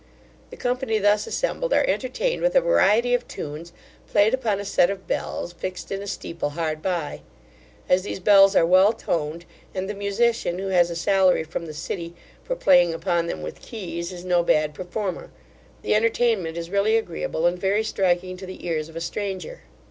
The company thus assembled, are entertained with a variety of tunes, played upon a set of bells, fixed in a steeple hard by As these bells are well toned, and the musician, who has a salary from the city, for playing upon them with keys, is no bad performer, the entertainment is really agreeable, and very striking to the ears of a stranger.